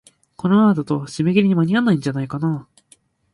このままだと、締め切りに間に合わないんじゃないかなあ。